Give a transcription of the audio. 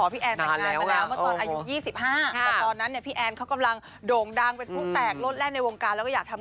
ไปฟังเลยค่ะ